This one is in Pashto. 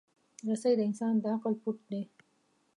رسۍ د انسان د عقل پُت دی.